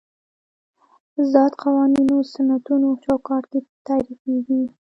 ذات قوانینو سنتونو چوکاټ کې تعریفېږي.